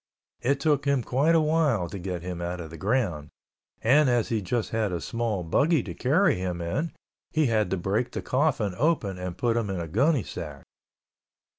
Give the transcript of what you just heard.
It took him quite awhile to get him out of the ground, and as he had just a small buggy to carry him in, he had to break the coffin open and put him in a gunny sack.